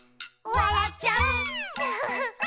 「わらっちゃう」